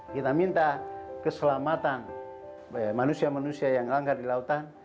kita minta keselamatan manusia manusia yang langgar di lautan